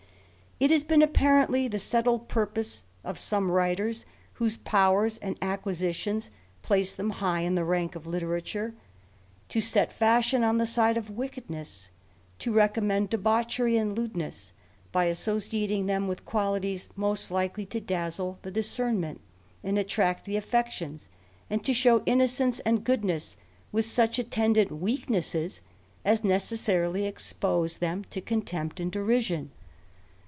It has been apparently the settled purpose of some vriteis, whose powers and acquisitions place them high in the rank of literature, to set fashion on the side of wickedness ; to recommend debauchery and lewdness, by associating them with qualities most likely to dazzle the tUsoemment, and attract the affections ; and to show innocence and goodness with such attendant weaknesses U necessarily expose them to contempt and derision.